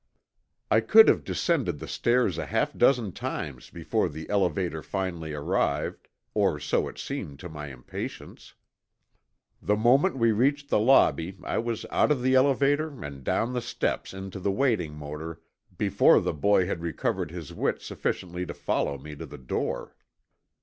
I could have descended the stairs a half dozen times before the elevator finally arrived, or so it seemed to my impatience. The moment we reached the lobby I was out of the elevator and down the steps into the waiting motor before the boy had recovered his wits sufficiently to follow me to the door.